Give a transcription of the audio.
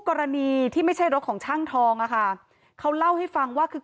กรณีที่ไม่ใช่รถของช่างทองอะค่ะเขาเล่าให้ฟังว่าคือ